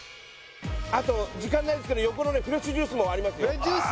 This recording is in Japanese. あと時間ないですけど横のフレッシュジュースもありますよえっジュース？